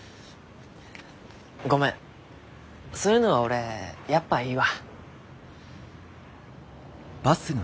ごめんそういうのは俺やっぱいいわ。